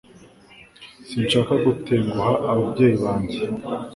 Sinshaka gutenguha ababyeyi banjye